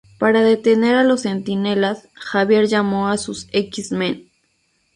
Para detener a los Centinelas, Xavier llamó a sus X-Men.